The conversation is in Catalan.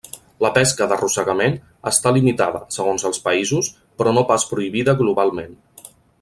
La pesca d’arrossegament està limitada, segons els països, però no pas prohibida globalment.